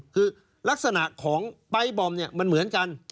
คือลักษณะของไปบอมเนี่ยมันเหมือนกัน